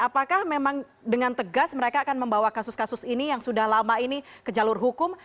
apakah memang dengan tegas mereka akan membawa kasus kasus ini yang sudah lama ini ke jalur hukum